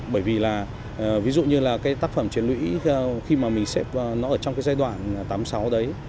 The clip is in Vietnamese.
bởi vì là ví dụ như là cái tác phẩm truyền lũy theo khi mà mình xếp nó ở trong cái giai đoạn tám mươi sáu đấy